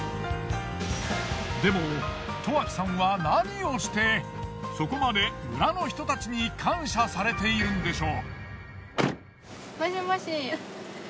でも十秋さんは何をしてそこまで村の人たちに感謝されているんでしょう？